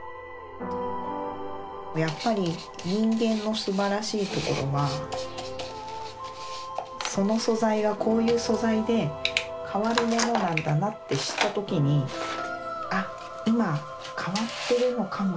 やっぱり人間のすばらしいところはその素材がこういう素材で変わるものなんだなって知った時に「あっ今変わってるのかもしれない。